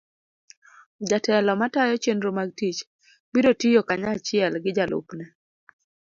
jatelo matayo chenro mag tich biro tiyo kanyachiel gi jalupne.